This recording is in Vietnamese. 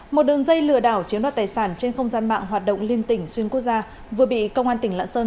một đường dây lừa đảo chiếm đoạt tài sản trên không gian mạng hoạt động liên tỉnh xuyên quốc gia vừa bị công an tỉnh lạng sơn